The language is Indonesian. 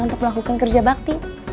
untuk melakukan kerja bakti